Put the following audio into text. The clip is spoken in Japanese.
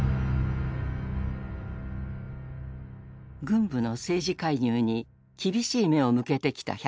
軍部の政治介入に厳しい目を向けてきた百武。